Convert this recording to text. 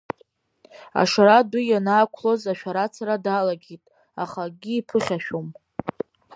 Ашара адәы ианаақәлоз ашәарацара далагеит, аха акгьы иԥыхьашәом.